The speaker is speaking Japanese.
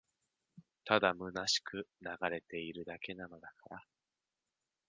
ただ空しく流れているだけなのだから